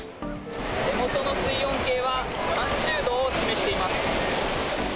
手元の水温計は、３０度を示しています。